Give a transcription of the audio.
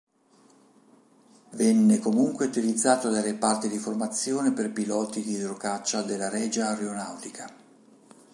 Venne comunque utilizzato dai reparti di formazione per piloti di idrocaccia dalla Regia Aeronautica.